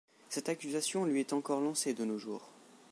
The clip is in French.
Cette accusation lui est encore lancée de nos jours.